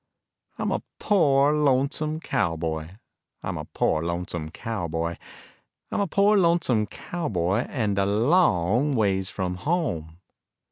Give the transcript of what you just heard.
I'm a poor, lonesome cowboy, I'm a poor, lonesome cowboy, I'm a poor, lonesome cowboy And a long ways from home.